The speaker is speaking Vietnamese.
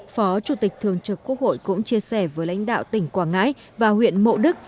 phó chủ tịch thường trực quốc hội cũng chia sẻ với lãnh đạo tỉnh quảng ngãi và huyện mộ đức